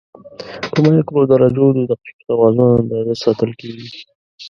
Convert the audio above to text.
په مایکرو درجو د دقیق توازن اندازه ساتل کېږي.